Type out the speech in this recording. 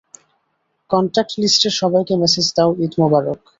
Contact লিস্টের সবাইকে message দাও, ঈদ মোবারক।